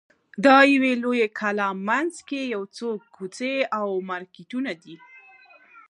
د یوې لویې کلا منځ کې یو څو کوڅې او مارکېټونه دي.